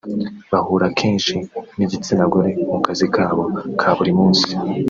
bahura kenshi n’igitsinagore mu kazi kabo ka buri munsi